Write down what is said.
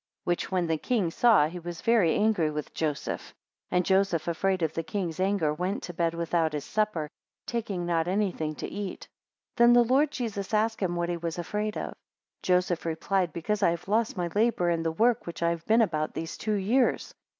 8 Which when the king saw, he was very angry with Joseph; 9 And Joseph afraid of the king's anger, went to bed without his supper, taking not any thing to eat. 10 Then the Lord Jesus asked him, What he was afraid of? 11 Joseph replied, Because I have lost my labour in the work which I have been about these two years.